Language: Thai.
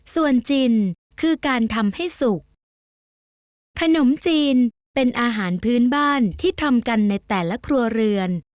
ส่วนจีนคือการทำให้สุกซึ่งขนมจีนเป็นอาหารพื้นบ้านที่ทำกันในแต่ละครัวเรือน